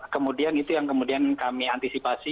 kemudian itu yang kemudian kami antisipasi